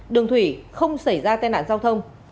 đường thủy không xảy ra tai nạn giao thông